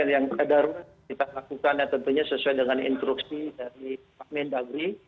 yang tidak darurat kita lakukan dan tentunya sesuai dengan instruksi dari pak medagri